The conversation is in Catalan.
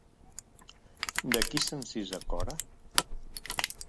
De qui s'encisa Cora?